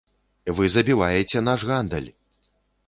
Вы забіваеце наш гандаль!